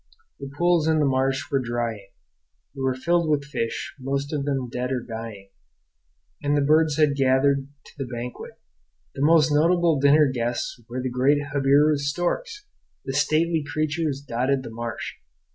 The pools in the marsh were drying. They were filled with fish, most of them dead or dying; and the birds had gathered to the banquet. The most notable dinner guests were the great jabiru storks; the stately creatures dotted the marsh.